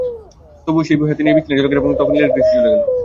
তবুও সেই বই হাতে নিয়েই বিছানায় গেলেন এবং তখন ইলেকট্রিসিটি চলে গেল।